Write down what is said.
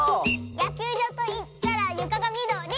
「やきゅうじょうといったらゆかがみどり！」